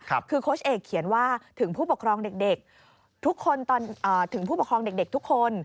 คือโคชเอกเขียนว่าถึงผู้ปกครองเด็กทุกคน